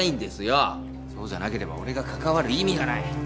そうじゃなければ俺が関わる意味がない。